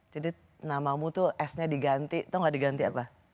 jadi namamu tuh s nya diganti tau gak diganti apa